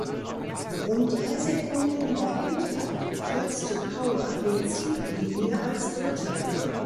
Rund drei Sekunden dahinter kreuzte Power die Ziellinie als dritter.